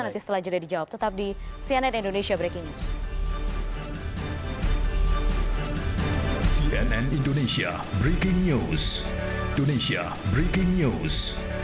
nanti setelah jeda dijawab tetap di cnn indonesia breaking news